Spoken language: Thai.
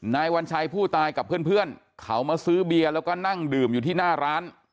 นายวัญชัยผู้ตายกับเพื่อนเขามาซื้อเบียร์แล้วก็นั่งดื่มอยู่ที่หน้าร้าน